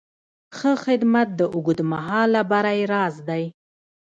ښه خدمت د اوږدمهاله بری راز دی.